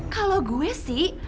kalau gue sih